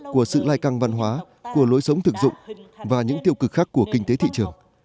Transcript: của sự lai căng văn hóa của lối sống thực dụng và những tiêu cực khác của kinh tế thị trường